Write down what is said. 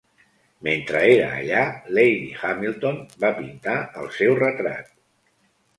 Mentre era allà, Lady Hamilton va pintar el seu retrat.